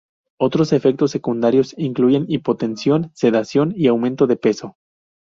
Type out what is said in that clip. Otros efectos secundarios incluyen hipotensión, sedación y aumento de peso.